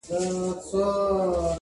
• و څښتن د سپي ته ورغله په قار سوه..